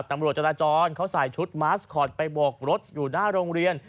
ตำรวจจราจรเขาใส่ชุดมาสคอตไปโบกรถอยู่หน้าโรงเรียน